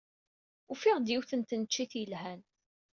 Ufiɣ-d yiwet n tneččit yelhan.